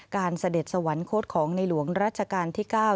การเสด็จสวรรค์โค้ดของในหลวงรัชกาลที่เก้า